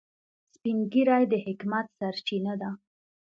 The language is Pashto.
سپین ږیری د حکمت سرچینه ده